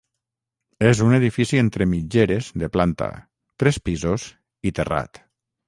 És un edifici entre mitgeres de planta, tres pisos i terrat.